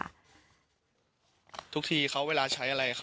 ฟังเสียงลูกจ้างรัฐตรเนธค่ะ